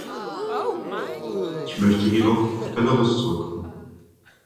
Ich möchte jedoch auf Belarus zurückkommen.